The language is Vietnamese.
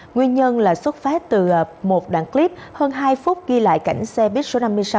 nguyên nhân là xuất phát từ một đoạn clip hơn hai phút ghi lại cảnh xe buýt số năm mươi sáu